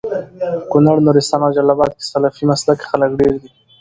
په کونړ، نورستان او جلال اباد کي سلفي مسلکه خلک ډير دي